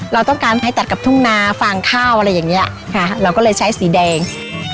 แล้วต้องการให้ตัดกับทุ่งนาฟางข้าวอะไรเหมือนกันค่ะเราก็เลยใช้สีแดง